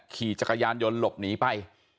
ขี่จักรยานยนต์หลบหนีไป